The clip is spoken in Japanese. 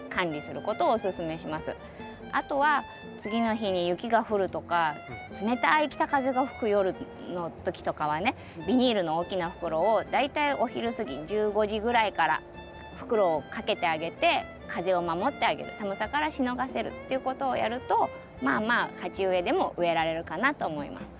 あとは次の日に雪が降るとか冷たい北風が吹く夜の時とかはねビニールの大きな袋を大体お昼過ぎ１５時ぐらいから袋をかけてあげて風を守ってあげる寒さからしのがせるっていうことをやるとまあまあ鉢植えでも植えられるかなと思います。